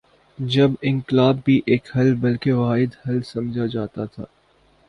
جب انقلاب بھی ایک حل بلکہ واحد حل سمجھا جاتا تھا۔